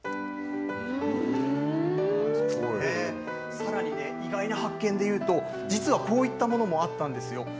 さらに意外な発見でいうと実は、こういったものもあったんですよ。